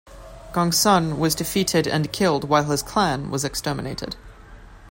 Gongsun was defeated and killed while his clan was exterminated.